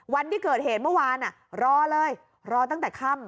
วันที่เกิดเหตุเมื่อวานรอเลยรอตั้งแต่ค่ำ